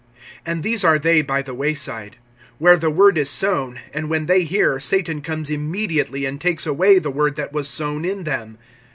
(15)And these are they by the way side; where the word is sown, and when they hear, Satan comes immediately and takes away the word that was sown in them.